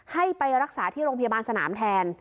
ให้ไปรักษาที่โรงพยาบาลสนามแทน